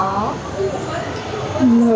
người đón giám sát